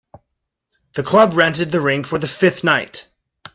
The club rented the rink for the fifth night.